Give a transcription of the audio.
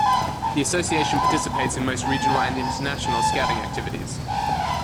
The Association participates in most regional and international Scouting activities.